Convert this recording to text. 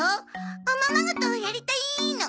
「おままごとをやりたい！」の「い」から。